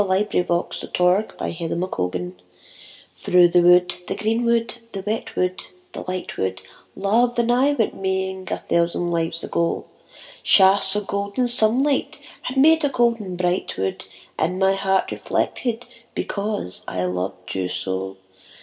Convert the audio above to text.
ROSEMARY 51 THROUGH THE WOOD THKOUGH the wood, the green wood, the wet wood, the light wood, Love and I went maying a thousand lives ago ; Shafts of golden sunlight had made a golden bright wood In my heart reflected, because I loved you so.